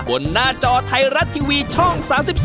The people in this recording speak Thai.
หน้าจอไทยรัฐทีวีช่อง๓๒